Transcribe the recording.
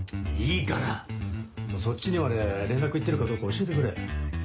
いいからそっちにまで連絡行ってるかどうか教えてくれ。